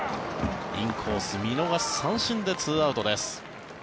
インコース見逃し三振で２アウトです。